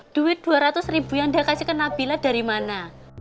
duit dua ratus ribu yang dia kasihkan nabila dari mana